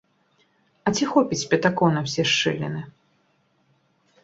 А ці хопіць пятакоў на ўсе шчыліны?